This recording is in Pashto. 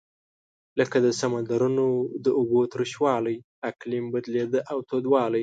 لکه د سمندرونو د اوبو تروش والۍ اقلیم بدلېده او تودوالی.